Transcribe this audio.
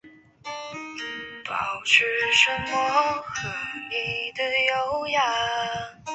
米德牧场是位于美国亚利桑那州希拉县的一个人口普查指定地区。